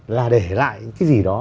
là để lại cái gì đó